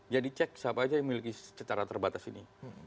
ya dicek siapa saja yang memiliki secara terbatas ini